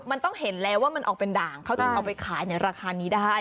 มันต้องเห็นแล้วว่ามันออกเป็นด่างเขาถึงเอาไปขายในราคานี้ได้